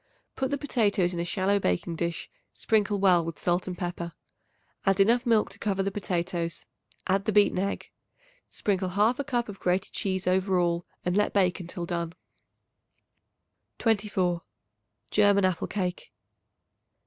Put the potatoes into a shallow baking dish, sprinkle well with salt and pepper. Add enough milk to cover the potatoes; add the beaten egg. Sprinkle 1/2 cup of grated cheese over all and let bake until done. 24. German Apple Cake.